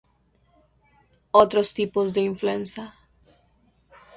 Otros tipos de influenza